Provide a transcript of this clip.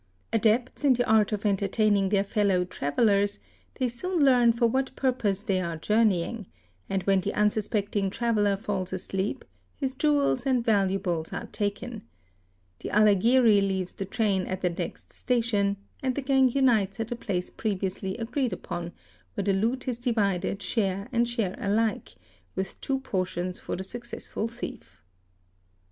_ Adepts in the art of entertaining their fellow travellers, they soon learn for what purpose they are journeying, and when the unsuspecting trav eller falls asleep, his jewels and valuables are taken; the Alagiri leaves the train at the next station, and the gang unites at a place previously if agreed upon, where the loot is divided share and share alike, with two portions for the successful thief.